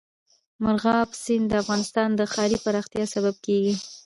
مورغاب سیند د افغانستان د ښاري پراختیا سبب کېږي.